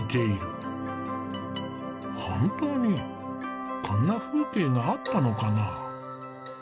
本当にこんな風景があったのかな。